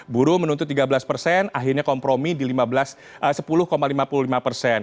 buruh menuntut tiga belas persen akhirnya kompromi di sepuluh lima puluh lima persen